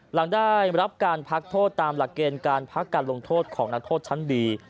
หลังได้รับการพักโทษตามหลักเกณฑ์การพักการลงโทษของนักโทษชั้นดี